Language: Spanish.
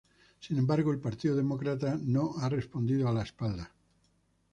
Sin embargo, el Partido Demócrata no ha respondido a la espalda.